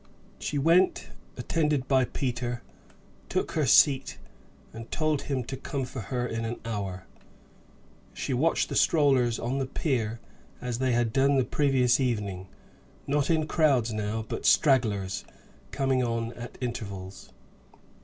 She went, attended by Peter, took her seat, and told him to come for her in an hour. She watched the strollers on the pier as they had done the previous evening; not in crowds now, but stragglers, coming on at intervals.